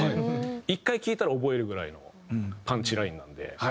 １回聴いたら覚えるぐらいのパンチラインなんで。